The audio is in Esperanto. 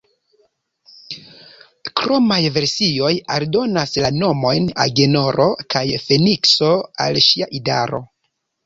Kromaj versioj aldonas la nomojn Agenoro kaj Fenikso al ŝia idaro.